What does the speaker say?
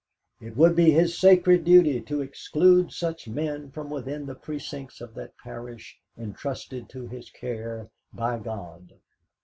It would be his sacred duty to exclude such men from within the precincts of that parish entrusted to his care by God.